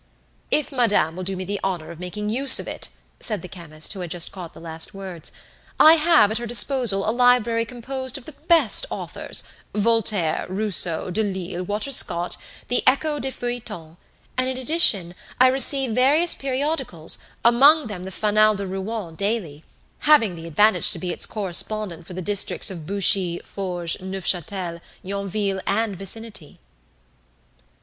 "If madame will do me the honour of making use of it", said the chemist, who had just caught the last words, "I have at her disposal a library composed of the best authors, Voltaire, Rousseau, Delille, Walter Scott, the 'Echo des Feuilletons'; and in addition I receive various periodicals, among them the 'Fanal de Rouen' daily, having the advantage to be its correspondent for the districts of Buchy, Forges, Neufchâtel, Yonville, and vicinity."